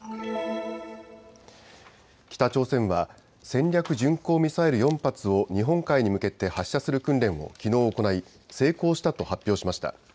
北朝鮮は戦略巡航ミサイル４発を日本海に向けて発射する訓練をきのう行い成功したと発表しました。